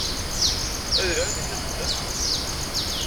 Ay d lɛali-ten iqzaḥ-a!